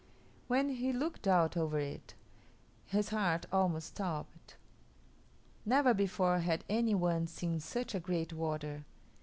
When he looked out over it, his heart almost stopped. Never before had any one seen such a great water.